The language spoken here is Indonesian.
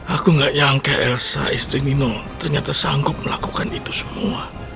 aku gak nyangka elsa istri nino ternyata sanggup melakukan itu semua